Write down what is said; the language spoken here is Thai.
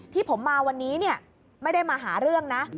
ที่ผมมาวันนี้ไม่ได้มาหาเรื่องนะ